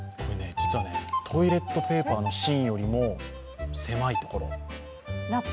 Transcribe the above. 実は、トイレットペーパーの芯よりも狭い所。